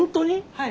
はい。